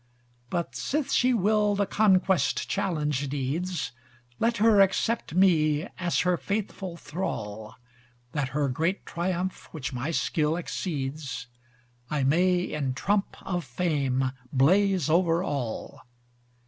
But sith she will the conquest challenge needs, Let her accept me as her faithful thrall, That her great triumph which my skill exceeds, I may in trump of fame blaze over all.